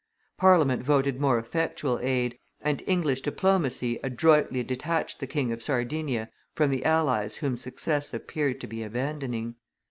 Parliament voted more effectual aid, and English diplomacy adroitly detached the King of Sardinia from the allies whom success appeared to be abandoning.